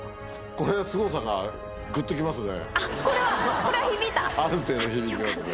これすごさがぐっと来ますね。